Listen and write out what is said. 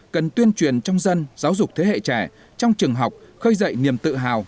cần tuyên truyền trong dân giáo dục thế hệ trẻ trong trường học khơi dậy niềm tự hào